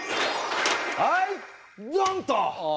はいドンッと！